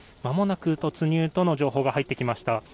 まもなく突入との情報が入ってきました。